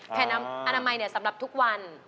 แผ่นอนามัยสำหรับทุกวัน